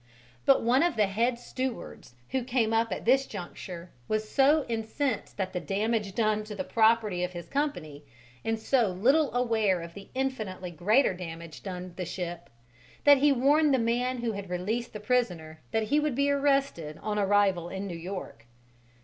But one of the head stewards who came up at this juncture was so incensed at the damage done to the property of his company, and so little aware of the infinitely greater damage done the ship, that he warned the man who had released the prisoner that he would be arrested on arrival in New York.